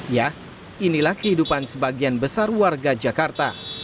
ya inilah kehidupan sebagian besar warga jakarta